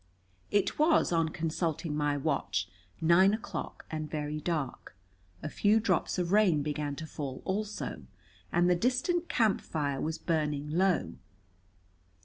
It was, on consulting my watch, nine o'clock and very dark. A few drops of rain began to fall also, and the distant camp fire was burning low.